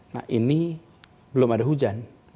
nah ini belum ada hujan